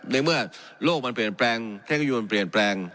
ในเมื่อโลกมันเปลี่ยนแปลงเทคโนโลยมันเปลี่ยนแปลง